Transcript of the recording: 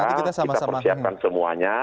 dan atau nanti kita bersiapkan semuanya